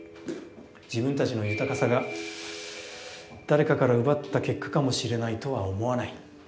自分たちの豊かさが誰かから奪った結果かもしれないとは思わない。